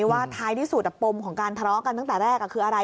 ว่าท้ายที่สุดปมของการทะเลาะกันตั้งแต่แรกคืออะไร